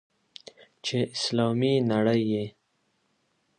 چې اسلامي نړۍ یې.